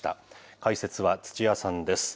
解説は土屋さんです。